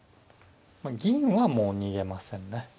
まあ銀はもう逃げませんね